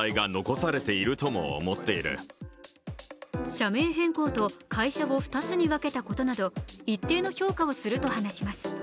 社名変更と会社を２つに分けたことなど一定の評価をすると述べています。